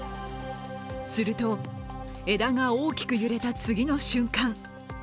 すると枝が大きく揺れた次の瞬間